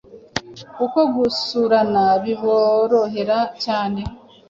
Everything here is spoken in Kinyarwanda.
kuko gusurana biborohera cyane